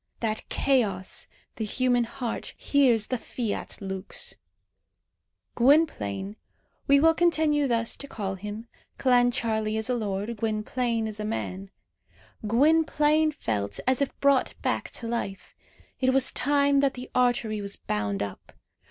That chaos, the human heart, hears the fiat lux! Gwynplaine we will continue thus to call him (Clancharlie is a lord, Gwynplaine is a man) Gwynplaine felt as if brought back to life. It was time that the artery was bound up.